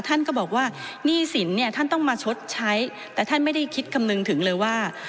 ท่านก็บอกว่าหนี้สินเนี่ยท่านต้องมาชดใช้แต่ท่านไม่ได้คิดคำนึงถึงเลยว่า